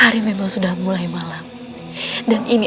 african menyuruhku semua seperti ini